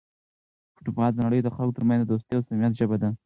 فوټبال د نړۍ د خلکو ترمنځ د دوستۍ او صمیمیت ژبه ده.